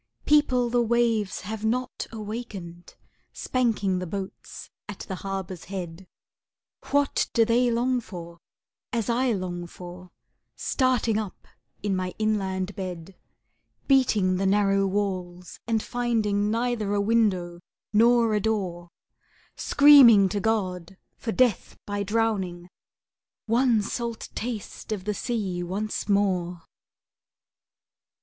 People the waves have not awakened, Spanking the boats at the harbor's head, What do they long for, as I long for,— Starting up in my inland bed, Beating the narrow walls, and finding Neither a window nor a door, Screaming to God for death by drowning,— One salt taste of the sea once more?